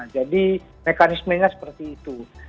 jadi mekanismenya seperti itu